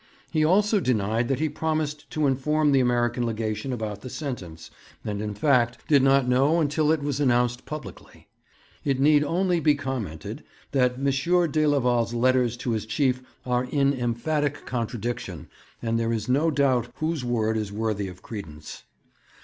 He also denied that he promised to inform the American Legation about the sentence, and, in fact, did not know until it was announced publicly. It need only be commented that M. de Leval's letters to his chief are in emphatic contradiction, and there is no doubt whose word is worthy of credence.